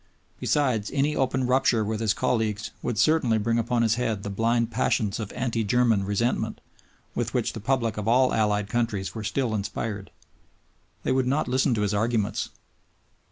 Besides, any open rupture with his colleagues would certainly bring upon his head the blind passions of "anti German" resentment with which the public of all allied countries were still inspired. They would not listen to his arguments.